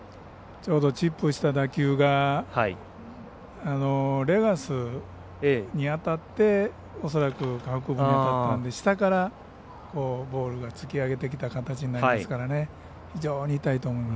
ちょうどチップした打球がレガースに当たって恐らく、下腹部に当たったので下からボールが突き上げてきた形になりますからね。